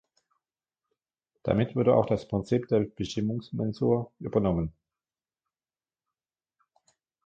Damit wurde auch das Prinzip der Bestimmungsmensur übernommen.